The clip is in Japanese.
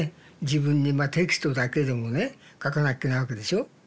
自分にまあテキストだけでもね書かなきゃいけないわけでしょ。